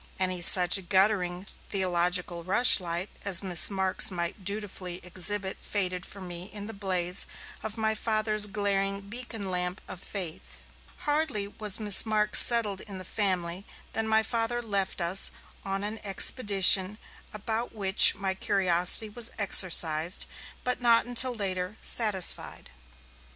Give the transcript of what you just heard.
Any such guttering theological rushlight as Miss Marks might dutifully exhibit faded for me in the blaze of my Father's glaring beacon lamp of faith. Hardly was Miss Marks settled in the family, than my Father left us on an expedition about which my curiosity was exercised, but not until later, satisfied.